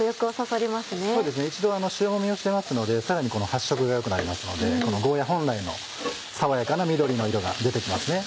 そうですね一度塩もみをしてますのでさらに発色が良くなりますのでこのゴーヤ本来の爽やかな緑の色が出て来ますね。